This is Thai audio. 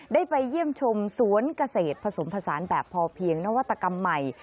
ได้ไปเยี่ยมชมสวนเกษตรผสมผสานแบบพอเพียงนวัตกรรมใหม่